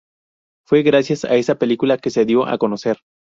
Fue gracias a esa película que se dio a conocer.